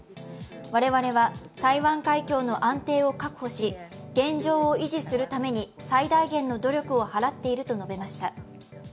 我々は台湾海峡の安定を確保し、現状を維持するために最大限の努力を払っていると述べました。